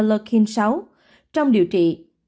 lockheed sáu trong điều trị